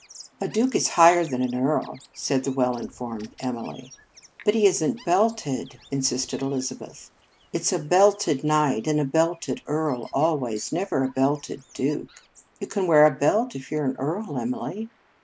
" A duke is higher than an earl," said the well informed Emily. " But he is n t belted," insisted Eliz abeth. "It s a < belted knight and a belted earl always; never a belted duke. You can wear a belt if you re an earl, Emily."